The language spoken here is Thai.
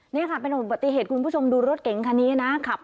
นี่ค่ะเป็นอุบัติเหตุคุณผู้ชมดูรถเก๋งคันนี้นะ